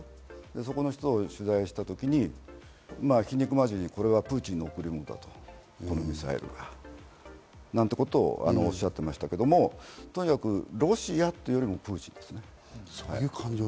そこの人を取材すると皮肉まじりにこれはプーチンの贈り物だなんてことをおっしゃってましたけれども、とにかくロシアというよりもプーチンですね。